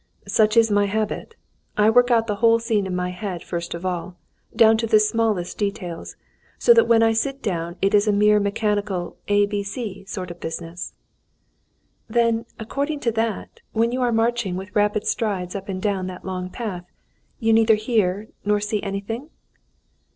"Such is my habit. I work out the whole scene in my head first of all, down to the smallest details, so that when I sit down it is a mere mechanical a b c sort of business." "Then according to that, when you are marching with rapid strides up and down that long path, you neither hear nor see anything?"